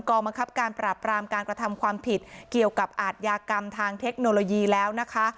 บังคับการปราบรามการกระทำความผิดเกี่ยวกับอาทยากรรมทางเทคโนโลยีแล้วนะคะ